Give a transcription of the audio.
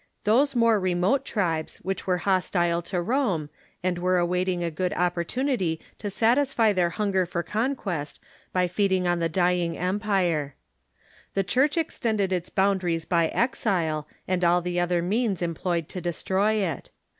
Those more remote tribes which were hostile to Rome, and were awaiting a good opportunity to sat isfy their hunger for conquest by feasting on the djdng em pire. The Church extended its boundaries by exile, and all the other means employed to destroy it.